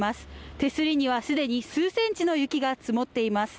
手すりにはすでに数センチの雪が積もっています